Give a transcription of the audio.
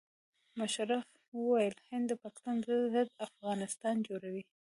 مشرف وویل هند د پاکستان ضد افغانستان جوړوي.